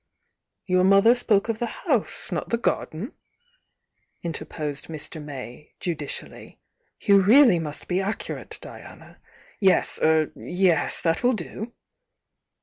"Your mother spoke of the house, not the gar den," interposed Mr. May, judicially. "You really must be accurate, Diana! Yes — er — yes! — that will do!"